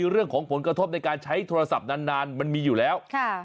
เรื่องของผลกระทบในการใช้โทรศัพท์นานมันมีอยู่แล้ว